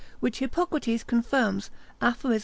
Which Hippocrates confirms, Aphoris.